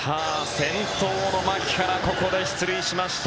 先頭の牧原ここで出塁しました。